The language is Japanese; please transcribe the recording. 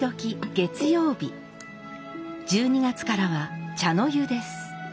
月曜日１２月からは茶の湯です。